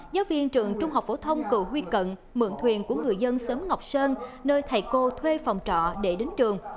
giáo viên trường trung học phổ thông cựu huy cận mượn thuyền của người dân xóm ngọc sơn nơi thầy cô thuê phòng trọ để đến trường